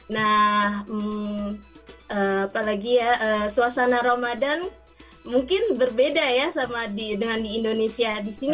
nah apalagi ya suasana ramadan mungkin berbeda ya sama dengan di indonesia di sini